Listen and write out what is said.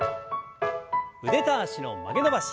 腕と脚の曲げ伸ばし。